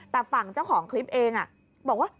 แต่ฝั่งเจ้าของคลิปเองบอกว่า